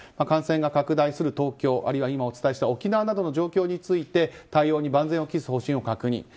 感染が拡大する東京あるいは今お伝えした沖縄などの状況について対応に万全を期す方針を確認。